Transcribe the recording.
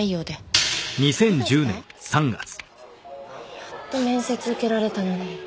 やっと面接受けられたのに。